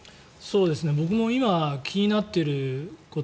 僕も今、気になってること